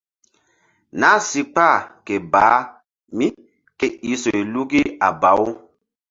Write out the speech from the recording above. Na si kpah ke baah mí ke i soyluki a baw.